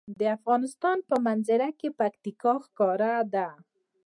د افغانستان په منظره کې پکتیکا ښکاره ده.